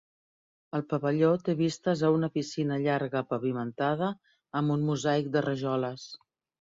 El pavelló té vistes a una piscina llarga pavimentada amb un mosaic de rajoles.